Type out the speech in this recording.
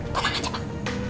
tolong aja pak